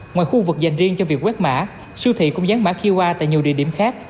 ngoài khu vực dành riêng cho việc quét mã siêu thị cũng dán mã qr tại nhiều địa điểm khác